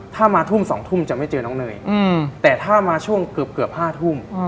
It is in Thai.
ถ้ามาทุ่ม๒ทุ่มจะไม่เจอน้องเนยแต่ถ้ามาช่วงเกือบ๕ทุ่ม